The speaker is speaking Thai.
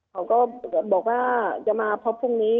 เขาก็บอกว่าจะมาพบพรุ่งนี้